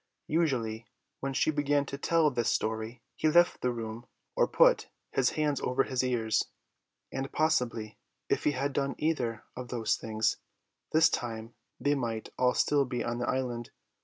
Usually when she began to tell this story he left the room or put his hands over his ears; and possibly if he had done either of those things this time they might all still be on the island.